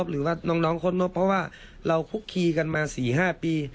หรือว่าน้องโค้ดนบเพราะว่าเราคุกคีกันมา๔๕ปี